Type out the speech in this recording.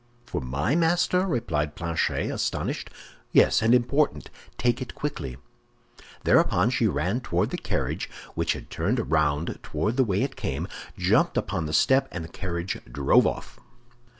"For my master?" replied Planchet, astonished. "Yes, and important. Take it quickly." Thereupon she ran toward the carriage, which had turned round toward the way it came, jumped upon the step, and the carriage drove off.